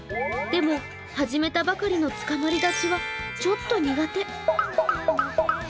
でも、始めたばかりのつかまり立ちはちょっと苦手。